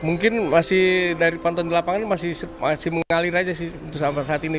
mungkin masih dari pantauan di lapangan masih mengalir aja sih untuk sampai saat ini